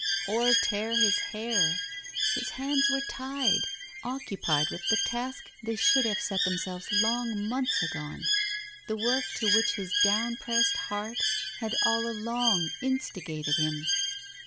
or tear his hair ; his hands were tied, occupied with the task they should have set themselves long months agone — the work to which his down pressed heart had all along in stigated him.